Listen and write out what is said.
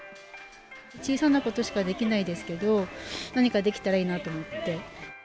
小さなことしかできないですけど、何かできたらいいなと思って。